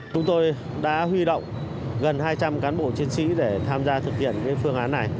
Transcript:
chúng tôi đã huy động gần hai trăm linh cán bộ chiến sĩ để tham gia thực hiện phương án này